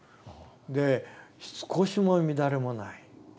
で少しの乱れもない。